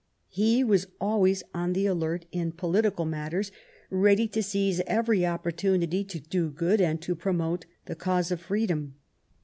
He was always on the alert in political matters. 172 MARY W0LL8T0NEGEAFT GODWIN. ready to seize every opportunity to do good and to promote the cause of freedom.